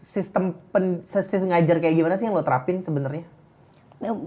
sistem sesis ngajar kayak gimana sih yang lo terapin sebenarnya